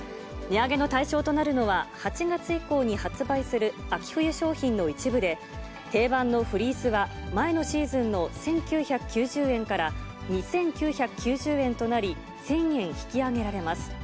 値上げの対象となるのは、８月以降に発売する秋冬商品の一部で、定番のフリースは、前のシーズンの１９９０円から２９９０円となり、１０００円引き上げられます。